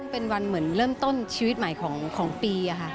เป็นวันเหมือนเริ่มต้นชีวิตใหม่ของปีค่ะ